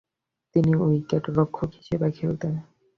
তিনি উইকেট-রক্ষক হিসেবে খেলতেন।